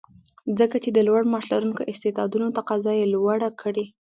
ځکه چې د لوړ معاش لرونکو استعدادونو تقاضا یې لوړه کړې